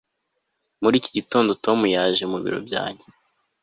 muri iki gitondo, tom yaje mu biro byanjye